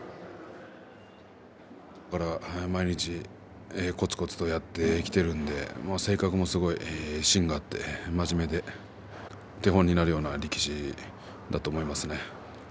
毎日こつこつとやってきているので性格もすごい芯があって真面目で手本になるような力士だと思いますね。